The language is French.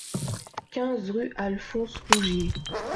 quinze rue Alphonse Rougier